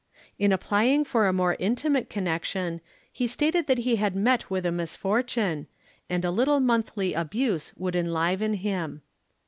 In applying for a more intimate connection, he stated that he had met with a misfortune, and a little monthly abuse would enliven him.